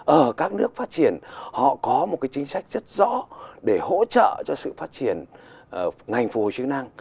ở các nước phát triển họ có một cái chính sách rất rõ để hỗ trợ cho sự phát triển ngành phù hợp chức năng